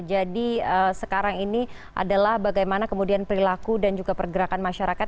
jadi sekarang ini adalah bagaimana kemudian perilaku dan juga pergerakan masyarakat